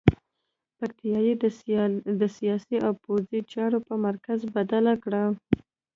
پکتیا یې د سیاسي او پوځي چارو په مرکز بدله کړه.